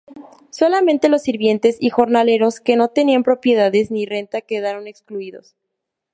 Solamente los sirvientes y jornaleros que no tenían propiedades ni renta quedaron excluidos.